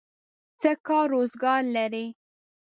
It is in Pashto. څه کار روزګار لرئ؟